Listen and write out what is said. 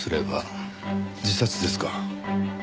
自殺ですか。